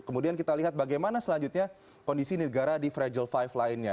kemudian kita lihat bagaimana selanjutnya kondisi negara di fragile five lainnya